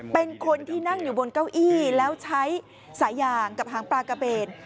เป็นคนที่นั่งอยู่บนเก้าอี้แล้วใช้สายยางกับหางปลากระเบน